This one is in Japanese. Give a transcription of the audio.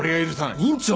院長！